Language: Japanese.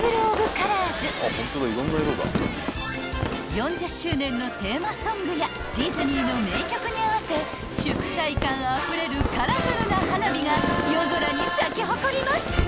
［４０周年のテーマソングやディズニーの名曲に合わせ祝祭感あふれるカラフルな花火が夜空に咲き誇ります］